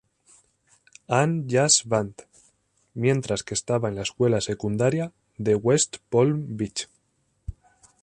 Ann Jazz Band, mientras que estaba en la escuela secundaria de West Palm Beach.